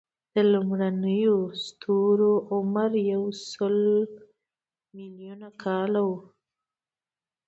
د لومړنیو ستورو عمر یو سل ملیونه کاله و.